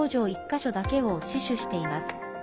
１か所だけを死守しています。